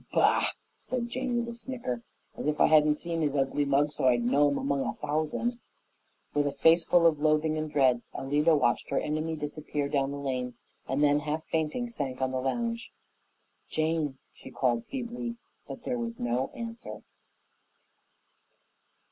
"Bah!" said Jane with a snicker, "as if I hadn't seen his ugly mug so I'd know it 'mong a thousand." With a face full of loathing and dread, Alida watched her enemy disappear down the lane, and then, half fainting, sank on the lounge. "Jane!" she called feebly, but there was no answer.